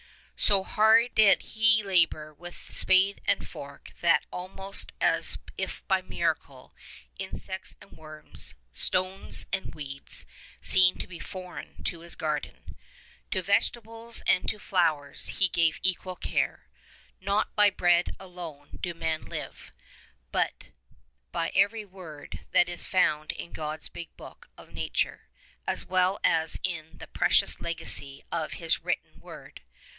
So hard did he labour with spade and fork that almost as if by miracle insects and worms, stones and weeds, seemed to be foreign to his garden. To vegetables and to flowers he gave equal care. Not by bread alone do men live, but by every word that is found in God's big book of nature, as well as in that precious legacy of His written word.